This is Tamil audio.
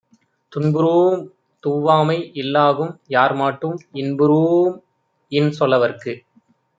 துன்புறூஉம் துவ்வாமை இல்லாகும் யார்மாட்டும் இன்புறூஉம் இன்சொ லவர்க்கு.